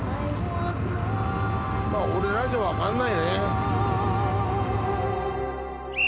まぁ俺らじゃわからないね。